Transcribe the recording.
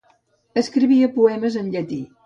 Escrivia poemes en llatí.